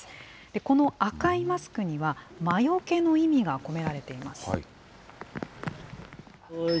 この赤いマスクには、魔よけの意味が込められています。